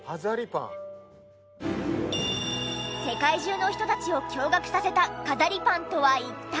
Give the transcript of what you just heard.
世界中の人たちを驚愕させた飾りパンとは一体？